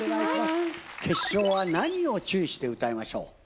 決勝は何を注意して歌いましょう？